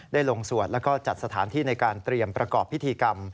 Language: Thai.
ลงสวดแล้วก็จัดสถานที่ในการเตรียมประกอบพิธีกรรม